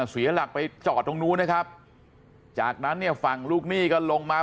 เสียหลักไปจอดตรงนู้นนะครับจากนั้นเนี่ยฝั่งลูกหนี้ก็ลงมา